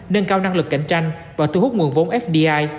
nâng cao năng lực cạnh tranh và thu hút nguồn vốn fdi